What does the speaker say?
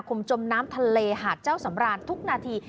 มจมน้ำทะเลหาดเจ้าสำรานทุกนาที